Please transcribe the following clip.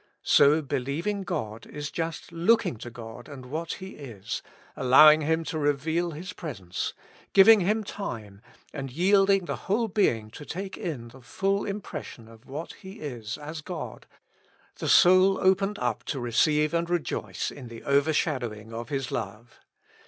So believing God is just looking to God and what He is, allowing Him to reveal His presence, giving Him time and yielding the whole 94 With Christ in the School of Prayer. being to take in the full impression of what He is as God, the soul opened up to receive and rejoice in the overshadowing of His love.